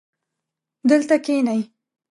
دلته کښېنئ